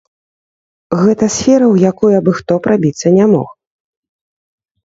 Гэта сфера, у якую абы-хто прабіцца не мог.